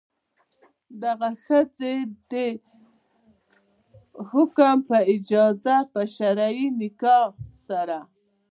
دغې ښځې د حاکم په اجازه په شرعي نکاح سره.